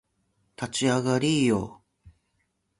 立ち上がりーよ